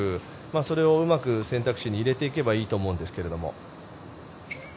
それをうまく選択肢に入れていけばいいと思うんですけれども。